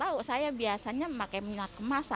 tahu saya biasanya pakai minyak kemasan